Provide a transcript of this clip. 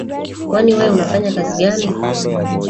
Kwani we unafanya kazi gani?